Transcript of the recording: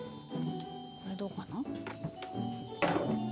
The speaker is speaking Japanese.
これどうかな？